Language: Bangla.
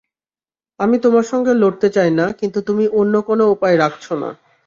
আমি তোমার সঙ্গে লড়তে চাই না, কিন্তু তুমি অন্য কোন উপায় রাখছ না।